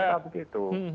tidak ada yang menarik